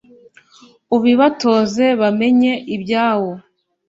ubibatoze bamenye ibyawo